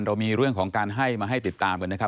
เรามีเรื่องของการให้มาให้ติดตามกันนะครับ